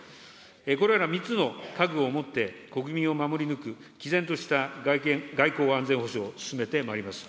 これら３つの覚悟をもって、国民を守り抜くきぜんとした外交・安全保障を進めてまいります。